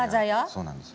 そうなんです。